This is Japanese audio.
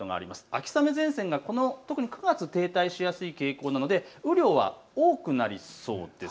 秋雨前線が９月、停滞しやすい傾向なので雨量は多くなりそうです。